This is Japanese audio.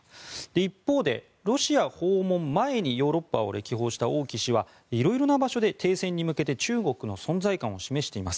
一方でロシア訪問前にヨーロッパを歴訪した王毅氏は、色々な場所で停戦に向けて中国の存在感を示しています。